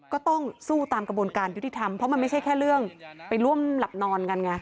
ก็ต้องสู้ตามกระบวนการยุติธรรมเพราะมันไม่ใช่แค่เรื่องไปร่วมหลับนอนกันไง